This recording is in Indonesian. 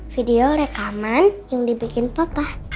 video rekaman yang dibikin patah